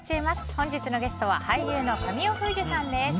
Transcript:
本日のゲストは俳優の神尾楓珠さんです。